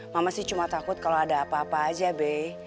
mama sih cuma takut kalau ada apa apa aja b